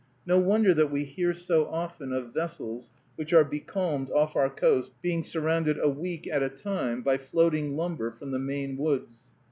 No wonder that we hear so often of vessels which are becalmed off our coast being surrounded a week at a time by floating lumber from the Maine woods.